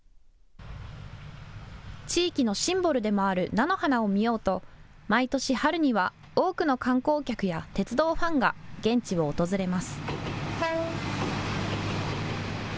地域のシンボルでもある菜の花を見ようと毎年春には多くの観光客や鉄道ファンが現地を訪れます。